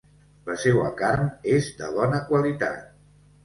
La seua carn és de bona qualitat.